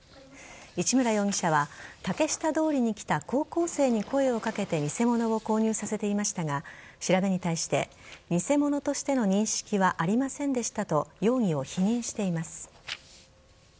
市村容疑者は竹下通りに来た高校生に声を掛けて偽物を購入させていましたが調べに対して偽物としての認識はありませんでしたと容疑を否認しています。